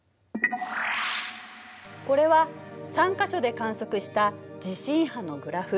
これは３か所で観測した地震波のグラフ。